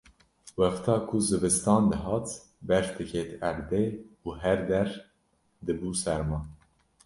Wexta ku zivistan dihat berf diket erdê û her der dibû serma